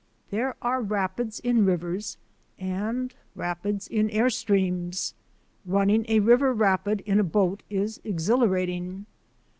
There are rapids in rivers and rapids in air streams. Running a river rapid in a boat is exhilarating.